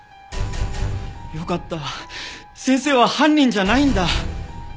よかった先生は犯人じゃないんだ。